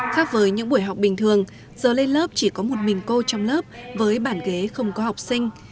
khác với những buổi học bình thường giờ lên lớp chỉ có một mình cô trong lớp với bản ghế không có học sinh